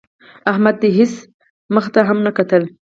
احمد د هېڅا مخ ته هم ونه کتل.